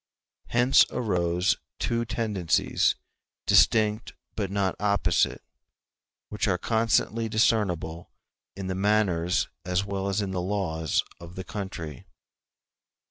Hence arose two tendencies, distinct but not opposite, which are constantly discernible in the manners as well as in the laws of the country.